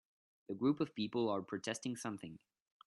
A group of people are protesting something